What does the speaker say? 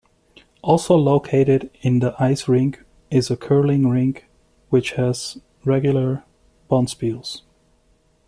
Also located in the ice rink is a curling rink which has regular bonspiels.